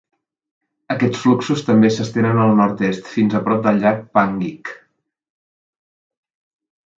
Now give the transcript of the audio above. Aquests fluxos també s'estenen al nord-est, fins a prop del llac Panguitch.